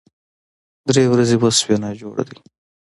درې ورځې وشوې ناجوړه دی